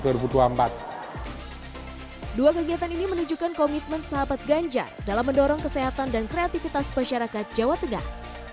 dua kegiatan ini menunjukkan komitmen sahabat ganjar dalam mendorong kesehatan dan kreativitas masyarakat jawa tengah